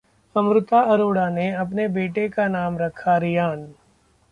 अमृता अरोड़ा ने अपने बेटे का नाम रखा 'रेयान'